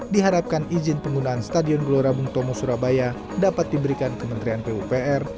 diharapkan izin penggunaan stadion gelora bung tomo surabaya dapat diberikan kementerian pupr